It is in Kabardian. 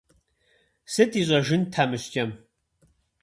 Сыт ищӀэжынт тхьэмыщкӀэм?